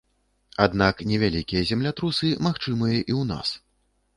Аднак невялікія землятрусы магчымыя і ў нас.